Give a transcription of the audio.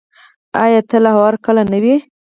آیا تل او هرکله نه وي؟